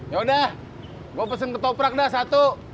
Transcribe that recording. yaudah gue pesen ketoprak dah satu